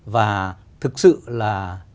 và thực sự là